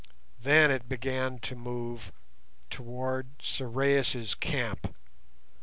Then it began to move towards Sorais' camp.